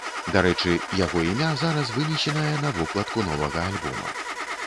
Дарэчы, яго імя зараз вынесенае на вокладку новага альбома.